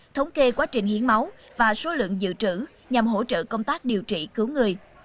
thống kê quá trình hiến máu và số lượng dự trữ nhằm hỗ trợ công tác điều trị cứu người